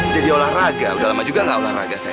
jadi olahraga udah lama juga gak olahraga saya